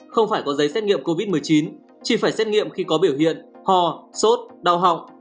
không phải có giấy xét nghiệm covid một mươi chín chỉ phải xét nghiệm khi có biểu hiện ho sốt đau họng